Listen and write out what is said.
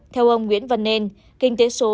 theo ông nguyễn văn nên kinh tế số